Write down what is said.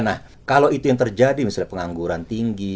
nah kalau itu yang terjadi misalnya pengangguran tinggi